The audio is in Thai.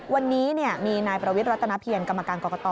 วันนี้มีนายประวิทย์รัฐนาเพียรกรรมการกรกต